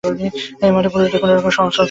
এ মঠে পুরুষদের কোনরূপ সংস্রব থাকবে না।